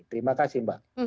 terima kasih mbak